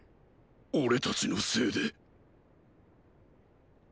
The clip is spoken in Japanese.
俺たちのせいで。